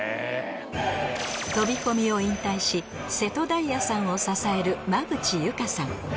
飛び込みを引退し瀬戸大也さんを支える馬淵優佳さん